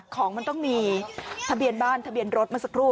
ของมันต้องมีทะเบียนบ้านทะเบียนรถเมื่อสักครู่